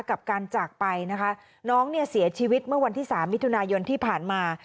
กับการจากไปนะคะน้องเนี่ยเสียชีวิตเมื่อวันที่สามมิถุนายนที่ผ่านมา